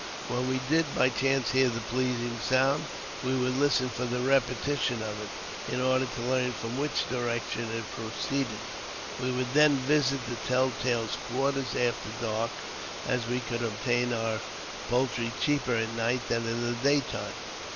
When we did by chance hear the pleasing sound, we would listen for the repeti tion of it, in order to learn from which direction it proceeded. We would then visit the tell tale's quarters after dark, as we could obtain our poultry cheaper at night than in the day time.